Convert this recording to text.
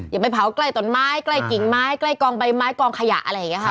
อย่าไปเผาใกล้ต้นไม้ใกล้กิ่งไม้ใกล้กองใบไม้กองขยะอะไรอย่างนี้ค่ะ